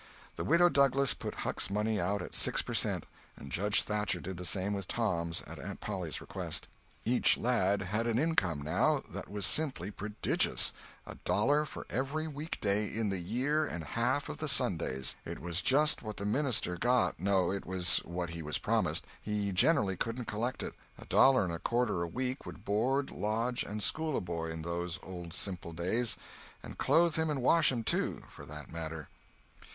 The Widow Douglas put Huck's money out at six per cent., and Judge Thatcher did the same with Tom's at Aunt Polly's request. Each lad had an income, now, that was simply prodigious—a dollar for every weekday in the year and half of the Sundays. It was just what the minister got—no, it was what he was promised—he generally couldn't collect it. A dollar and a quarter a week would board, lodge, and school a boy in those old simple days—and clothe him and wash him, too, for that matter.